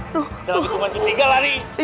jangan berhenti tiga lari